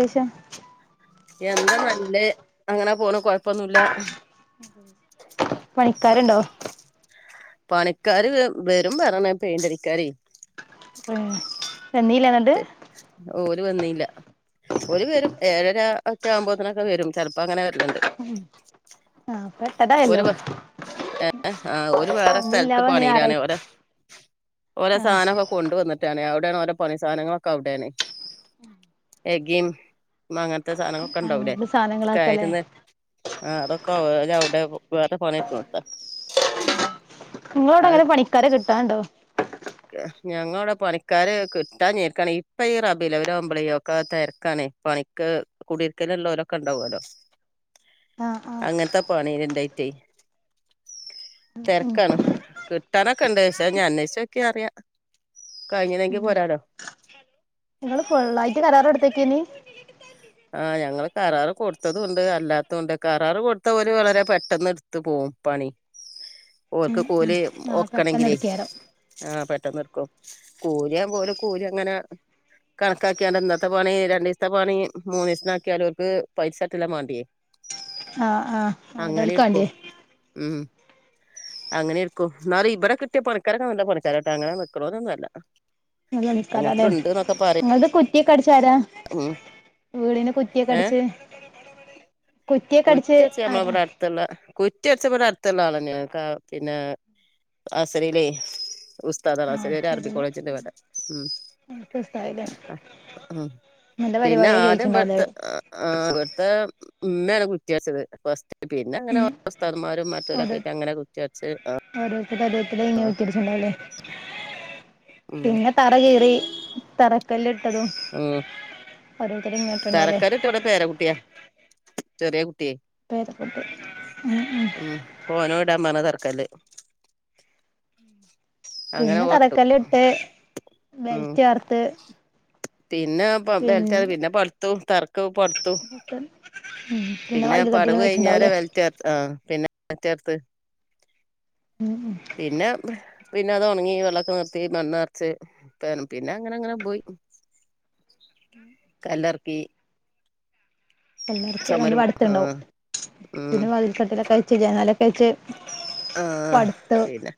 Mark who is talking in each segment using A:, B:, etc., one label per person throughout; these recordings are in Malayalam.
A: ശേഷം
B: എന്താ നല്ലേ അങ്ങനെ പോണ് കൊഴപ്പൊന്നൂല്ല.
A: പണിക്കാര്ണ്ടോ?
B: [inaudible] പണിക്കാര് വെ വെരും പറിണ്‌ പേയിന്റടിക്കാര്
A: ഉം വന്നീലേ.
B: തെ ഓല് വന്നീല്ല. ഓര് വെരും ഏഴര ഒക്കെ ആവുമ്പോത്തി നൊക്കെ വരും ചെലപ്പോ അങ്ങനെ വരല്ണ്ട്.
A: ഉം ആഹ് പെട്ടതായല്ലോ.
B: ഏ ആഹ് ഓല് വെറെസ്ഥലത്ത്
A: ഇന്നില്ലാവ
B: പണിയിലാണ്
A: ഞായറായി
B: ഓരെ ഓരോ
A: ആ
B: സാധനം ഒ കൊണ്ടുവന്നിട്ടാണ് അവിടെണ് ഓന്റെ പണിസാധനങ്ങളൊക്കെ അവിടെണ് എകിം മ്മ അങ്ങത്തെ സാധനങ്ങളൊക്കെ ഉണ്ടവുലേ
A: അങ്ങണ്ട് സാധനങ്ങളൊക്കെല്ലേ
B: കയര്ന്ന് ആഹ് തൊക്കെ ഒരാ ഔടെ വേറെ പണിട്ക്നോട്ത
A: ഇങ്ങളെ അവടെ ഇങ്ങനെ പണിക്കാരെകിട്ടാണ്ടോ
B: ഞങ്ങളടെ പണിക്കാര് കിട്ടാ ഞെരിക്കാണ് ഇപ്പ ഈ റബിലവ്വൽ ആവുമ്പലേയ് ഒക്കെ തെരക്കാണേയ് പണിക്ക് കുടിർകല് ഇള്ളോർ ഒക്കെ ഇണ്ടാവല്ലോ
A: ആ ആ
B: അങ്ങത്തെ പണീലിണ്ടായിറ്റേ തെരക്കാണ് കിട്ടാനൊക്കെ ഉണ്ട് പക്ഷെ ഞ്ഞി അന്വേഷിച്ച ഒക്കെ അറിയ കഴിഞ്ഞതെങ്കിൽ പോരാലോ
A: നിങ്ങള് ഫുള്ളായിട്ട് കരാറെടുത്തേക്കേ നിം
B: ആഹ് ഞങ്ങള്ൾ കരാറ് കൊടുത്തതുംണ്ട് അല്ലാത്തണ്ട് കരാറ് കൊടുത്ത ഓല്‌ വളരെ പെട്ടെന്ന് ത്ത്പോവുംപണിഓൽക്ക്കൂലി
A: ആ പെട്ടെന്ന്
B: ഒക്കണെങ്കിലേ
A: എടുക്കാരം
B: ആഹപെട്ടെന്ന്നിർക്കും കൂലിആവുമ്പോഓരെകൂലിഅങ്ങനെ കണക്കാക്കിയാണ്ട് ഇന്നത്തെപണി രണ്ടീസത്തെ പണി മൂന്നീസ്ന് ആക്കിയലോർക്ക് പൈസട്ടല്ലാംമാണ്ടിയേ
A: ആഹ് ആഹ് [unintelligible] ക്കാണ്ടേ
B: ഉം അങ്ങനെയിരിക്കും ന്നാലെ ഇബടെ കിട്ടിയ പണിക്കാരൊക്കെ നല്ല പണിക്കാരോട്ടാ അങ്ങനെ നിക്ക്ണോരോന്നു അല്ല
A: വിളിച്ചാരല്ലേ ഇങ്ങളത് കു കുറ്റിയൊക്കെ അടിച്ച ആരാ
B: ഉം
A: വീടിന് കുറ്റിയൊക്കെ
B: ഏഹ്
A: അടിച്ചെ? കുറ്റിയെക്കടിച്ച് ആരാ?
B: കുറ്റി അടച്ചപ്പോല അടുത്തല്ല ആളന്നെട്ട പിന്നെ അസരില്ലേ ഉസ്താദ്
A: ആ
B: [unintelligible] ചെറിയ അർബി
A: അടുത്തതില്
B: കോളേജിണ്ട് ഇവടെ ഉം
A: അടുത്ത സ്ഥലം
B: ഉം
A: നല്ല
B: പിന്നെ
A: പരിപാടിയൊക്കെ
B: ആദ്യം
A: കഴിച്ചിണ്ടാവല്ലേ
B: ബെട്ത്ത ആഹ് ആഹ് ബെഡ്ത്തെ ഉമ്മെണ് കുറ്റിഅട്ച്ചത് ഫസ്റ്റ് പിന്നെ അങ്ങനെ
A: ഉം
B: ഉസ്താദുമാരും മറ്റോലൊ ഒക്കെ ആയിട്ട് അങ്ങനെ കുറ്റി അടിച്ച് അ
A: ഓരോരോരുത്തര് [unintelligible]
B: ഉം
A: പിന്നെ തറകീറി തറക്കല്ല് ഇട്ടതും
B: ഓഹ്
A: ഓരോരുത്തര് ഇങ്ങോട്ടുണ്ടാവുല്ലേ
B: തരക്കര് വിട പേരകുട്ട്യാ ചെറെ കുട്ടിയേ
A: പേത കൊട്ട ഉ
B: ഉ ഓനോ ഇടാൻ പറഞ്ഞ തറക്കല്ല അങ്ങനെ
A: പിന്നെ
B: ഓട്ടു
A: തറക്കല്ല്ട്ട്
B: ഉം
A: വെൽറ്റ്‌ വാർത്ത്
B: പിന്നെ [unintelligible] വലത്ത
A: പിന്നെ
B: പിന്നെപട്ത്തു തറക്ക് പട്ത്തു
A: പ്പം പിന്നെ വതില്കട്ടില വെച്ചിണ്ടാവുല്ലെ
B: റ്റ ആഹ് പിന്നെ [unintelligible] പിന്നെ പിന്നെ അത് ഒണങ്ങി വെള്ളൊക്കെ നിർത്തി മണ്ണർച്ച് പിന്നെ അങ്ങനെ അങ്ങനെ പോയി.
A: [inaudible]
B: കല്ലർക്കി
A: എല്ലാടത്തും
B: ചുമര്
A: അതോണ്ട്
B: ആ
A: ഇപ്പ അടുത്ത് ണ്ടാവും
B: ഉം
A: പിന്നെവതിൽ കട്ടിലഒക്കെ വെച്ച് ജനലൊക്കെ വെച്ച്
B: ആ
A: പടുത്ത്
B: പിന്നെ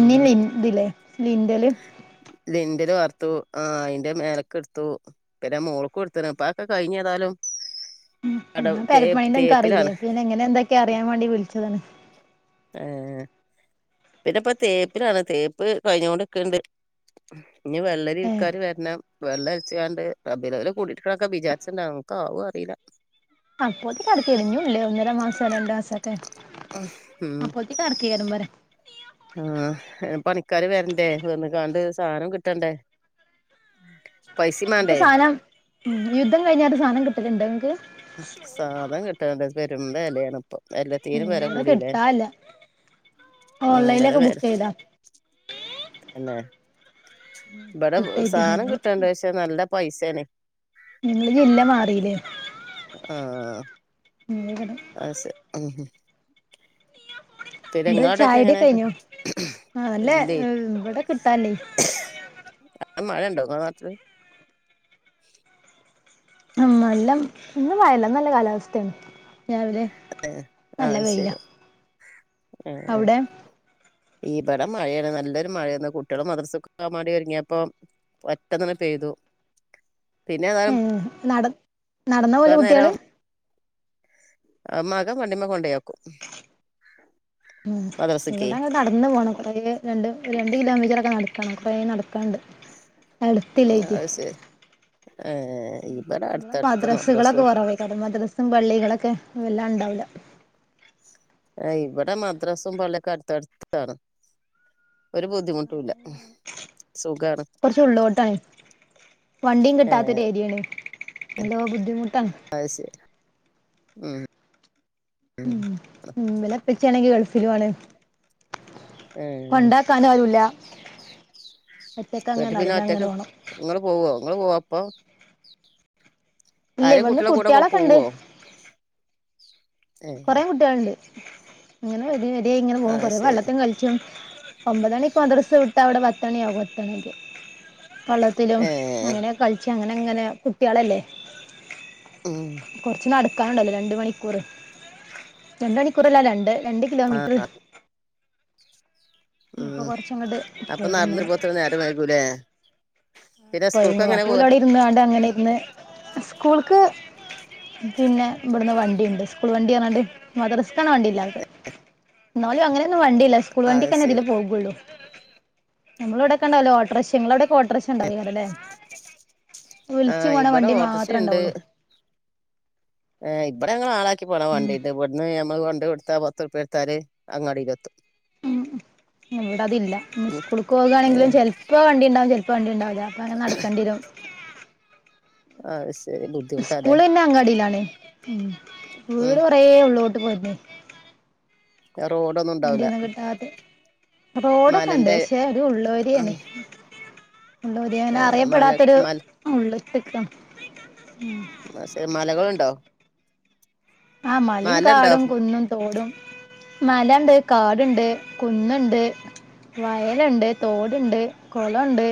B: ഉം
A: ഇതില്ലെ ലിന്റല്
B: ലിന്റൽ വാർത്തു ആ അയിന്റെ മേലക്ക് എടുത്തു പിന്നെ മോൾക്കും എട്ത്ത്ണ് ഇപ്പൊ അഒക്കെ കഴിഞ്ഞ് ഏതായാലും.
A: ഞൻ പെരപ്പണീന്റെ ഇൻക്ക്അറില്ലേ പിന്നെഎങ്ങെനെന്തൊക്കെഅറിയാൻ വേണ്ടിവിളിച്ചതാണ്
B: ഏഹ് പിന്നെഇപ്പതേപ്പിലാണ്തേപ്പ് കഴിഞ്ഞോണ്ട്ക്കണ്ട് ഇഞ്ഞി വെള്ളരി
A: ഏഹ്
B: വിക്കാന് വരണം വെള്ള അടിച്ച് കാണ്ട് റബി അവല് കൂടിയിരിക്കെണം ഒക്കെ വിചാരിച്ചിണ്ട് ആവോ ഒക്കെ ആവോ അറിയില്ല
A: അപ്പോത്തി [unintelligible] ഞ്ഞുല്ലേ ഒന്നര മാസം രണ്ട്മാസഒക്കെ അപ്പോത്തി തണ്കൈരം പറ
B: ആഹ പണിക്കാര് വരണ്ടേ വന്ന് കാണ്ട് സാധനം കിട്ടണ്ടേ പൈസിം
A: ഇപ്പം
B: മാണ്ടേ
A: സാനം ഉം യുദ്ധം കഴിഞ്ഞാട്ട് സാധനം കിട്ടൽണ്ടോ ഇങ്ങൾക്ക്
B: സാധനം കിട്ടേണ്ട പെരും വെലേണ് ഇപ്പൊ?
A: ഉം ഇവിടെ
B: എല്ലത്തീനുംവെലകൂടിലേ
A: കിട്ടാല്ല
B: ആ വെല
A: ഓൺലൈനിലൊക്കെ ബുക്ക് ചെയ്താ
B: [unintelligible] ന്നെ ഇബട
A: കിട്ടായിട്ടില്ല
B: സാനം
A: ഞങ്ങള്
B: കിട്ടാണ്ട് പഷേ നല്ല പൈസേണ്
A: ഇങ്ങള് ജില്ല മാറീല്ലേ
B: ആഹ്
A: ഇഞ്ഞ് [unintelligible]
B: ആ ശെ ഉ പിന്നെ ഇങ്ങളെ അവടൊക്കെ എങ്ങനെ
A: ചായുടിയൊക്കെ കഴിഞ്ഞോ ആഹ് നല്ല
B: ഇല്ലേ
A: ഇവിടെ കിട്ടാല്ലേ
B: ആ മഴ ഇണ്ടോ ഇങ്ങളെ നാട്ടില്
A: ഉ നല്ലംഇന്ന് മയല്ല ഇന്ന്നല്ല കാലാവസ്തെണ് രാവിലെ
B: ആഹ്
A: നല്ലവെയില
B: ശരി
A: അവ്ടെ
B: ഇബടെ മഴയാണ് നല്ലൊരു മഴയന്ന് കുട്ടികളും മദർസുക് പോകാൻ വേണ്ടി ഒരുങ്ങിയപ്പൊ ഒറ്റന്നണെ [unintelligible] പെയ്തുപിന്നെ [unintelligible]
A: ഏഹ് നട നടന്നാ പോവല്
B: വനേരം
A: കുട്ടികള്
B: മകം വണ്ടിമ്മെ കൊണ്ടോയാക്കും
A: ഉ ഇവിടെ അങ്ങ് കടന്നു പോണം കുറേ രണ്ട് ഒരു രണ്ട് കിലോമീറ്ററൊക്കെ നടക്കണം കുറേ നടക്കാണ്ട്. അടുത്തില്ലൈറ്റെ
B: അത് ശരി ഏഹ് ഇവിടെ
A: ന്ന്
B: അടുത്തടുത്ത്
A: ബദ്രസ്കള ഒക്കെ
B: മദ്രസും
A: കൊറവെകാരം വദ്രസ് തും ബള്ളികളൊക്കെവല്ലാം ഇണ്ടാവൂല
B: ആ ഇവിടെ മദ്രസും പള്ളി ഒക്കെ അട്ത്തട്ത്താണ്. ഒരു ബുദ്ധിമുട്ടും ഇല്ല സുഖാണ്
A: കുറച്ച് ഉള്ളോട്ടാണ് വണ്ടിയും
B: ഏഹ്
A: കിട്ടാത്ത ഒരു ഏരിയാണ് നല്ലോ ബുദ്ധിമുട്ടാണ്.
B: ആഹ്സെരി ഉം ഉം
A: ഉം ഇവലെ ഇപ്പിച്ചി ആണെങ്കിൽ ഗൾഫിലു ആണ്.
B: ഏഹ്
A: കൊണ്ടാക്കാനാരുല്ല
B: എന്നട്ട് പിന്നെ ഒറ്റക്ക് ഇങ്ങള് പോവോ ഇങ്ങള് പോവോ ഒപ്പം
A: ഇല്ലേ ഇവന്ന്
B: കുട്ടികളെ കൂടെ കൊ-
A: കുട്ട്യോളൊക്കെണ്ട്
B: പോവോ ഏഹ്
A: കെറെ കുട്ട്യാളുണ്ട് അങ്ങനെവരി വരി ആയിങ്ങനെ പോകും
B: അത്
A: കൊറേ
B: ശരി
A: വെള്ളത്തികളി [unintelligible] ഒമ്പത് മണിക്ക് മദ്രസ് വിട്ട ഇവടെ പത്ത്മണിയ ആകും എത്തണങ്കി വള്ളത്തിലും
B: ഏഹ്
A: അങ്ങനെ കളിച്ച അങ്ങനെ അങ്ങനെ കുട്ട്യാളല്ലേ?
B: ആ
A: കൊറച്ച് നടക്കാനുണ്ടല്ലോ രണ്ട് മണിക്കൂർ രണ്ട് മണിക്കൂറല്ല രണ്ട് രണ്ട് കിലോമീറ്റർ
B: ആഹാ
A: അപ്പൊ
B: ഉം
A: കൊറച്ചങ്ങോട്ട്
B: അപ്പൊ നടന്ന്
A: പോയിരുന്നു
B: വരുമ്പോത്തിന്‌ നേരം വെയ്കൂലേ?
A: കൊഴങ്ങും അപ്പോല് അവിടെ ഇരുന്ന് ങ്ങാണ്ട് ങ്ങനെ ഇർന്ന് സ്കൂൾക്ക് പിന്നെ ഇവിടുന്ന് വണ്ടിണ്ട് സ്കൂൾ വണ്ടിപറഞ്ഞാണ്ട് മദ്റസ്ക്കാണ് വണ്ടില്ലാത് ന്നാലും അങ്ങനെയൊന്നും വണ്ടില്ല സ്കൂൾ
B: അത്
A: വണ്ടിക്ക്ന്നെ ഇതിലെ
B: ശരി
A: പോവുള്ളൂ. നമ്മളവിടഒക്കെണ്ടല്ലോ ഓട്ടോർഷ്യ ഇങ്ങളഅവിടെക്കെ ഓട്ടോർഷ്യ ഇണ്ടാവുക്കാരംല്ലേ വിളിച്ചു പോണ വണ്ടി മാത്രേ ഉണ്ടാവുള്ളൂ
B: ഏ ഇവിടെ ഞങ്ങെ ആളാക്കി പോണാൻ വേണ്ടിട്ട് ഇന്ന് ഞമ്മൾ കൊണ്ടയ് കൊടുത്താ പത്ത്റുപ്പ്യകൊടുത്താല് അങ്ങാടി ലെത്തും.
A: ഉ ഇവിട അതില്ല
B: ഉം
A: സ്കൂൾക്ക്
B: ഏഹ്
A: പോകാണെങ്കിലും ചെൽ - - ഇപ്പോ വണ്ടി ണ്ടാവും ചിലപ്പോവണ്ടി ണ്ടാവില്ല അപ്പ അങ്ങന നടക്കണ്ടേരും
B: അയ് ശരി ബുദ്ധിമുട്ടാല്ലേ
A: സ്കൂൾ പിന്നെ അങ്ങാടിയിലാണ്
B: ഉം
A: വീട് കൊറേ ഉള്ളോലോട്ട് പോയി
B: ആറോഡൊന്നും
A: വണ്ടി ഒന്നും കിട്ടാത്ത റോഡൊക്കെ ഉണ്ട്
B: മലന്റെ
A: പക്ഷെ ഒരു ഉള്ളോരിയാണ് ഉള്ളരിയങ്ങനെ
B: ഏഹ് മല
A: അറിയപ്പെടാത്തൊരു
B: മല
A: ഉള്ള്ക്ക് നിക്കാണ്
B: അസേ മലകളുണ്ടോ
A: ആ മലിം
B: മലണ്ടോ
A: കാടും കുന്നും തോടും മലണ്ട് കാട്ണ്ട് കുന്ന്ണ്ട് വയലെണ്ട് തോടിണ്ട് കൊളെണ്ട്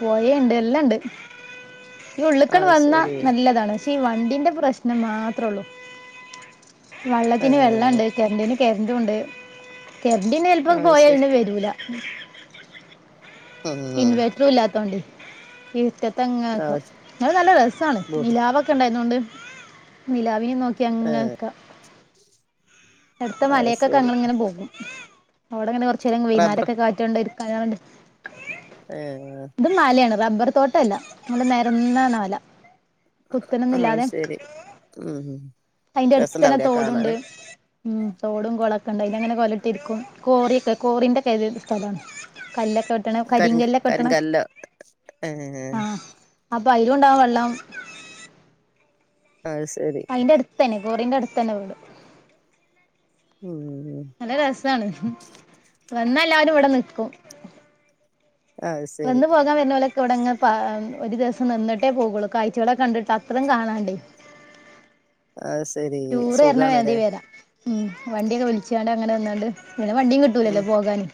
A: പോയ ഉണ്ട് എല്ലാംണ്ട് ഈ ഉള്ളുക്കണ്
B: അത്
A: വന്നാ
B: ശരി
A: നല്ലതാണ് പക്ഷെ ഈ വണ്ടീന്റെ പ്രശ്നം മാത്രോള്ളു വെള്ളത്തിന്
B: ഏഹ്
A: വെള്ളണ്ട് കിരണ്ടിന് കിരണ്ട ഉണ്ട് കിരണ്ടിന്ന് ചിലപ്പോ
B: അത് ശരി
A: പോയാലന്ന് വരൂല [inaudible]
B: ഉം
A: ഇൻവേർട്ടറും ഇല്ലാത്തോണ്ട് ഇ തെങ്ങക്കെ അത് നല്ല രസാണ് നിലാവൊക്കെ ഉണ്ടായിരുന്നോണ്ട് നിലാവിനെ നോ,, തെങ്ങൾക്ക്
B: [inaudible]
A: അടുത്ത
B: അത്
A: മലെക്കൊക്കെ
B: ശരി
A: ഞങ്ങളിങ്ങനെ പോകും അവിടെങ്ങനെ കൊറച്ചേരം
B: റബ്ബർ
A: വൈനെരൊക്കെ കാ റ്റണ്ട് ഇരിക്കാനാണ്ട്
B: ഏ
A: ഇതും മലയാണ് റബ്ബർ തോട്ടല്ല നല്ല നെരന്ന മല കുത്തനൊന്നും
B: ആഹ് ശരി ഉം
A: അതിന്റെ അടുത്ത് തന്നെ
B: രസണ്ടാവൂലേ
A: തോടുണ്ട്
B: കാണാന്
A: ഉം തോടും കൊളൊക്കെ ഉണ്ട് അതിലിങ്ങനെ കൊലട്ടിരിക്കും കോറിയൊക്കെ കോറിന്റെക്കെ സ്ഥലാണ് കല്ലൊക്കെ ഇട്ടണം
B: കരിങ്ക്
A: കരിങ്കല്ലൊക്കെ ഇട്ടണം
B: കരിങ്കല്ലോ ഏഹ്
A: ആഹ് അപ്പ അയിലും ഒണ്ടാവും വെള്ളം
B: അയ്സരി
A: തെനിക്കോററിന്റെ അടുത്ത് തന്നെ വീടു
B: ഉം
A: നല്ല രസാണ് വന്ന എല്ലാവരും ഇവിടെ നിക്കും
B: അത് ശരി
A: വന്ന് പോ നിക്കാൻ വരുന്നോലൊക്കെ ഇവിടെങ് ഒരു ദിവസം നിന്ന്ട്ടേ പോകുള്ളൂ കാഴ്ചകളെ കണ്ടിട്ട് അത്രം കാണാണ്ടേ
B: ആഹ് സ
A: ടൂറ് വരുന്ന വേയന്തിവര ഉം വണ്ടിയൊക്കെ വിളിച്ചാണ്ട് അങ്ങനെ വന്നാണ്ട് പിന്നെ വണ്ടിയും
B: ഉം
A: കിട്ടൂലല്ലോ പോകാന്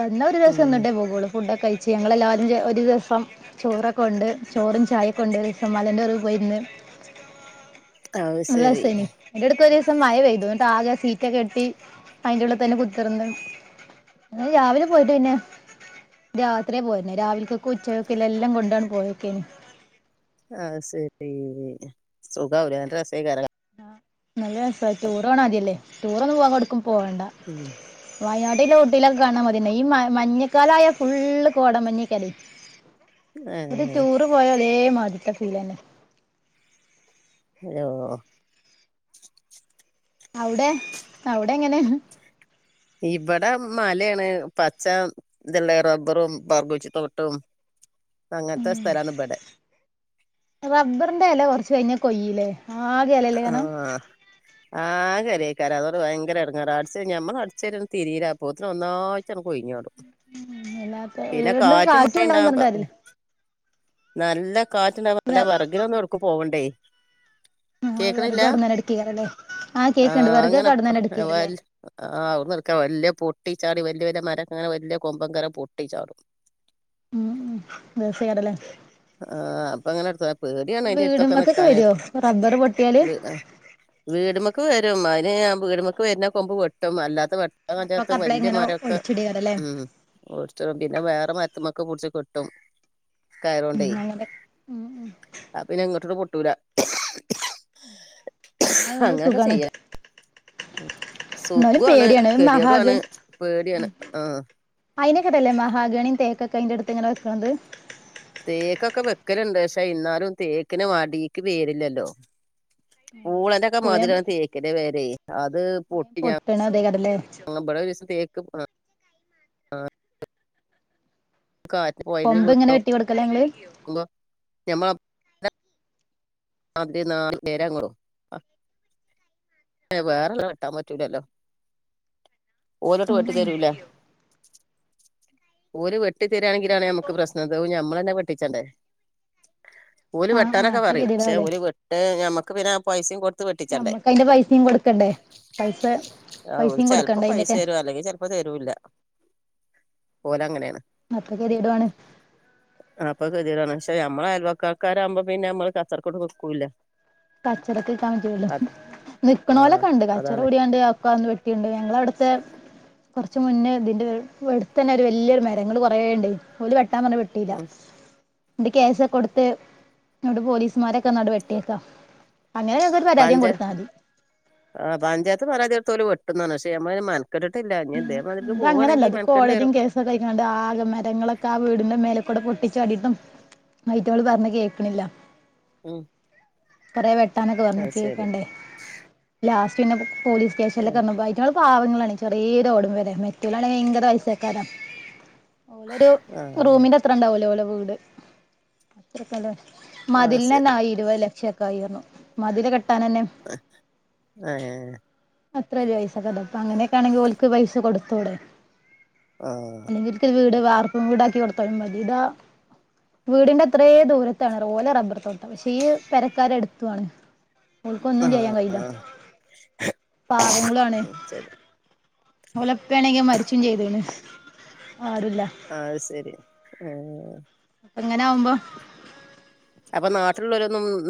A: വന്ന ഒരു ദിവസം
B: ഉം
A: നിന്ന്ട്ടെ പോകുള്ളൂ ഫുടൊക്കെ കഴി ച്ച് ഞങ്ങളെല്ലാരും ഒരു ദിവസം ചോറൊക്കെകോണ്ട് ചോറും ചായയൊക്കെ കൊണ്ട് ഒരു ദിവസം മലൻ്റെ നെറു പോയിരുന്ന്
B: അത് ശരി
A: നല്ലേസേയിനി അയിന്റെ അടുത്ത് ഒരീസം മഴ പെയ്തു എന്നിട്ട് ആകെ സീറ്റൊക്കെട്ടി അയിന്റുള്ള് തന്നെ കുത്തിർന്ന് ഞങ്ങൾ രാവിലെ പോയിട്ട് പിന്നെ രാത്രിേ പോയന്നെ രാവിലക്കൊക്കെ ഉച്ചയൊക്കെല്ല എല്ലാം കൊണ്ടാണ് പോയൊക്കെന്
B: അഹ് ശരി സുഖില്ല രസകര
A: നല്ല രസാ ടുർ പോണെമാതിരിയല്ലേ ടൂറോന്നും വേറെവ്‌ടുക്കും പോവണ്ട
B: ഉം
A: വയനാട്ടിലെ കുഊട്ടിലൊക്കെ കാണാൻ മതിന്നേ ഈ മ മഞ്ഞക്കാല ആയ ഫുള്ള് കോട മഞ്ഞിക്കാല
B: [inaudible]
A: ഒരു
B: ഏഹ്
A: റ്റുറ് പോയ അതേ മാതിക്കക്ക് ഉള്ളന്നെ
B: ഹലോ
A: അവുടെ അവുടെ എങ്ങനെയാ
B: ഇവടെ മലയാണ് പച്ച ഇത്ള്ളെ റബ്ബറും ബർഗോച്ചി തോട്ടവും അങ്ങനത്തെ സ്ഥലാണ് ഇബടെ
A: റബ്ബറിന്റെ ഇല കുറച്ച് കഴിഞ്ഞ കൊയയിലേ ആകെ അല
B: ആഹ ആകേലെയ്ക്കാരം അതോണ്ട് ഭയങ്കര ഇടങ്ങാറ അടിച്ച് കഴിഞ്ഞ ഞമ്മൾ അടിച്ച് കയിഞ്ഞ് തിരീല പോത്തിന് ഒന്നായി ച്ചടു കൊഴിഞ്ഞോടും
A: വല്ലാത്ത
B: പിന്നെ
A: വീണ്ട്
B: കാറ്റും മഴ ഇണ്ടാ
A: ഉണ്ടാവും പറഞ്ഞിട്ട് കാര്യല്ല
B: നല്ല കാറ്റ്ണ്ടാവുമ്പോ നല്ല വർകിനോന്നും എവ്ട്ക്കും പോവണ്ടേ
A: ആ
B: കേക്കണില്ല
A: വിറക് അവിടുന്നന്നെ എടുക്കേക്കാരല്ലേ ആ കേക്ക്ണ്ട്
B: ആഹ അങ്ങനെ
A: വിറകൊക്കെ അവിടുന്നന്നെ എടുക്കേക്കാരല്ലേ
B: ആ അവിടെന്ന്ട്ക്കാ വല്യ പൊട്ടി ചാടി വലിയ വലിയ മരക്കങ്ങനെ വലിയ കൊമ്പൻ കരം പൊട്ടി ചാടും
A: ഉം ഉ ദസടല്ലേ
B: ആ അപ്പൊ അങ്ങനെടുത്ത്പോയ പേടിയാണ് അതിന്റെ അടുത്തൊക്കെ നിക്കാ
A: വരു റബ്ബർ പൊട്ട
B: വീടമക്ക് വരും അതിന് ഞ വീടുമക്ക് വരുന്ന കൊമ്പ് വെട്ടും അല്ലാത്ത വെ
A: അപ്പൊക്കെ
B: അതിനകത്ത്
A: അപ്പളെ
B: വലിയ
A: ഇങ്ങനെ
B: മരൊക്കെ
A: ഒടിച്ചിടേക്കാരല്ലേ
B: ഉം ഒടിച്ചിടും പിന്നെ വേറെ മരത്തുമ്മക്ക് പിടിച്ച് കെട്ടും കയറോണ്ടേ
A: ഉം അങ്ങനെ ഉം ഉം
B: ആ പിന്നെ ഇങ്ങോട്ട് പൊട്ടൂല
A: അങ്ങനൊകുമ്പള് സുഖാണ്
B: ഉ
A: എന്നാലും
B: സുഖണ്
A: പേടിയാണ്
B: ഗദിയെടണ്
A: മഹാഗണി
B: പേടിയാണ് ആഹ്
A: അതിനെക്കട്ടല്ലേ മഹാഗണീം തേക്കക്ക അയ്ന്റെടുത്ത് ഇങ്ങന നിക്കണന്നത്
B: തേക്കൊക്കെ വെക്കലുണ്ട് പക്ഷെ എന്നാലും തേക്കിനന് വടി പേരില്ലല്ലോ
A: ആ
B: മാതിരി തേകിന്റെ വേരു അത് പൊട്ടി ഞാൻ
A: പൊട്ടണതേക്കാരല്ലേ
B: ഇബിടെ ഒരൂസം തെക്കു കാത്ത്
A: കൊമ്പ്
B: പോയോമ്മ
A: ഇങ്ങനെ വെട്ടി കൊടുക്കല ഞങ്ങള്
B: [inaudible] [inaudible] വേറെള്ളെ വെട്ടാൻ പറ്റൂലല്ലോ ഓര്
A: ഉം
B: തോറ്റ് തരൂല ഓര് വെ വെട്ടി തരിയാണെങ്കിലാണ് നമുക്ക് പ്രശ്നത് ഞമ്മൾ തന്നെ വെട്ടിച്ചണ്ടേഓള്
A: ആഹ് ആഹ്
B: വെട്ടാനൊക്കെ
A: അത്ര
B: പറയും
A: ഗതിടാവല്ലേ
B: വിട്ട് ഞമ്മക്ക് പിന്നെ ആ പൈസയും കൊ തു വെട്ടിച്ചണ്ടേ
A: ഞമ്മക്ക് അതിന്റെ പൈസയും കൊടുക്കണ്ടേ പൈസ പൈസയും
B: ചലപ്പോ
A: കൊടുക്കണ്ട
B: പൈസ
A: അതിന്റെയൊക്കെ
B: തരുും അല്ലെങ്കിൽ അപ്പൊ തരൂല്ല ഓലങ്ങനെയാണ്
A: അത്രക്കെറിടുണ്
B: അപ്പ കരിതിയതാണ് പക്ഷെ ഞമ്മള് അയൽവക്കക്കാരാകുമ്പൊ പിന്നെ നമ്മള് [unintelligible] വെക്കൂല്ല
A: കച്ചറക്ക്ക്കാൻ പറ്റുലല്ലോ
B: ആഹ്
A: നിക്കണോലൊക്കെണ്ട് കച്ചറ
B: അതാണ്
A: കൂടിയാണ്ട് അഒക്കെ ഒന്ന് വെ ട്ടിണ്ട് ഞങ്ങളവിടുത്തെ കുറച്ച് മുന്നേ ഇതിന്റെ അടുത്ത് തന്നെ ഒരു വലിയൊരു മരങ്ങള് കുറേഉണ്ട്ഓരു വെട്ടാ പറ വെട്ട വെട്ടീല
B: ഉം
A: നട്ട് കേസൊക്കെ കൊടുത്ത് ന്നട്ട് പോലീസ്മാരൊക്കെ വന്നാട്ട് വെട്ടിയേക്ക അങ്ങനാണെ അതൊരു [unintelligible]
B: പഞ്ചായത്ത് ആ പഞ്ചായത്ത് പരാതിടത്തു തോല വെട്ടുന്നപറഞ്ഞു പക്ഷെ ഞ മാന കെട്ടിട്ടില്ല നി ഇതേമാതിരിക്ക് പോകവാണെങ്കി മെനക്കെടേണ്ടി വരും
A: പ്പത്തായിക്ക്ണ് ണ്ട് ആകെ മരങ്ങളൊക്കെ ആ വീടിന്റെ മേലെക്കൂടെ പൊട്ടിച്ചാടിയിട്ടും മൈറ്റമ്മൾ പറഞ്ഞ കേൾക്കണില്ല
B: ഉം
A: കറേ വെട്ടാനൊക്കെ വന്ന്
B: അത് ശരി
A: കേക്കണ്ടെ ലാസ്റ്റ് പിന്നെ പോലീസ് സ്റ്റേഷനിലൊക്കെ
B: ആഹ്
A: [unintelligible] മെറ്റൾ പാവങ്ങളാണ് ചെറിയ ഓരോട്മ്പരാ മെറ്റലാണ് ഭയങ്കര ആവശ്യക്കാരെ ഓലരു
B: ആഹ്
A: റൂമിന്റെ എത്ര ഇണ്ടാവലോ ഓലോ വീട് അത്ര കല
B: ആഹ്
A: മതിലിന
B: ശരി
A: തന്നെആയി ഇരുപത് ലക്ഷം ഒക്കെ ആയിരുന്നു മതില് കെട്ടാൻ തന്നെ
B: ആഹ്
A: അത്ര ഒരു പയസ അപ്പ അങ്ങനെയൊക്കാണെങ്കി ഓല്ക്ക് പൈസ കൊടുത്തൂടെ
B: ആഹ്
A: ന്നട്ട് വീട് വർപ്പും വീടാക്കി കൊടുത്തലും മതി ഇതാ വീടിന്റെ എത്രെ ദൂര, തരുപോലെ റബ്ബർ തോട്ടം പക്ഷെ ഈ പെരക്കാരെ എടുത്തുണ് ഓൽക്ക് ഒന്നും ചെയ്യാൻ കയില്ല പാവങ്ങളുആണ്
B: ശരി
A: ഒലെപ്പേണെങ്കെ മരിച്ചും ചെയ്ത്ക്ക്ണ് ആരുമില്ല
B: അത് ശരി. ആഹ് അഹ്‌
A: പ്പങ്ങനെ ആവുമ്പോ
B: അപ്പൊ നാട്ടിലുള്ളോരൊന്നും